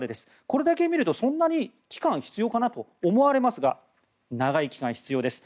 これだけ見るとそんなに期間が必要かなと思われますが長い期間必要です。